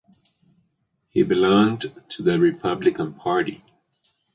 He belonged to the Republican Party.